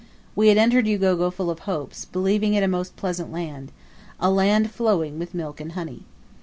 We had entered Ugogo full of hopes, believing it a most pleasant land a land flowing with milk and honey.